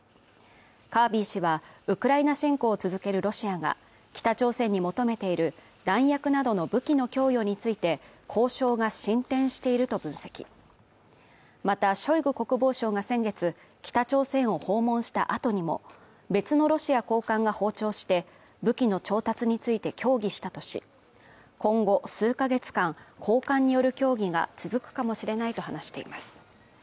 カービー氏はウクライナ侵攻を続けるロシアが北朝鮮に求めている弾薬などの武器の供与について交渉が進展していると分析またショイグ国防相が先月北朝鮮を訪問したあとにも別のロシア高官が訪朝して武器の調達について協議したとし今後数か月間高官による協議が続くかもしれないと話しています